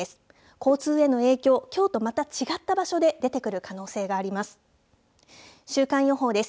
交通への影響、きょうとまた違った場所で出てくる可能性があります。